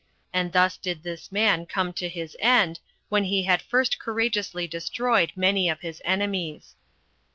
And thus did this man come to his end, when he had first courageously destroyed many of his enemies.